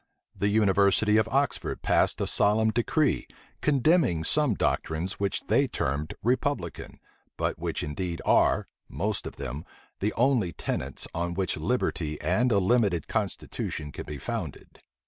The university of Oxford passed a solemn decree, condemning some doctrines which they termed republican, but which indeed are, most of them, the only tenets on which liberty and a limited constitution can be founded.